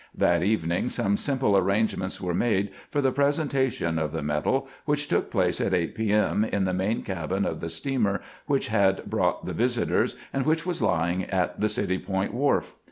That evening some simple arrangements were made for the presentation of the medal, which took place at 8 p. m, in the main cabin of the steamer which had brought the visitors, and which was lying at the City Point wharf.